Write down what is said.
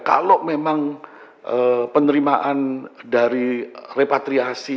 kalau memang penerimaan dari repatriasi